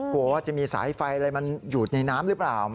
กลัวว่าจะมีสายไฟอะไรมันหยุดในน้ำหรือเปล่าใช่